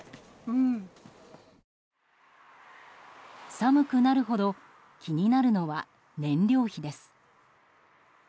寒くなるほど気になるのは燃料費です。